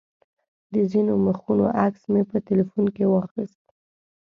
د ځینو مخونو عکس مې په تیلفون کې واخیست.